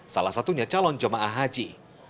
salah satunya calon jemaah haji